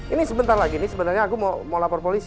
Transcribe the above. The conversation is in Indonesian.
ini sebentar lagi ini sebenernya aku mau lapor polisi